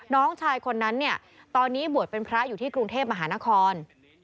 น้องชายคนนั้นเนี่ยตอนนี้บวชเป็นพระอยู่ที่กรุงเทพมหานคร